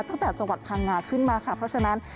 ตั้งแต่จังหวัดพางงาขึ้นมาค่ะเพราะฉะนั้น